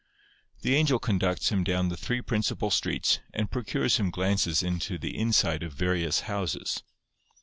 The angel conducts him down the three principal streets, and procures him glances into the inside of various houses.